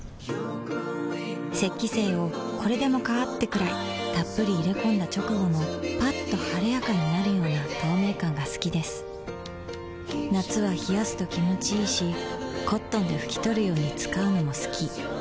雪肌精をこれでもかーってくらいっぷり入れ込んだ直後のッと晴れやかになるような透明感が好きです夏は冷やすと気持ちいいし灰奪肇で拭き取るように使うのも好き